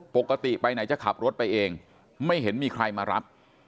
ปกติไปไหนจะขับรถไปเองไม่เห็นมีใครมารับ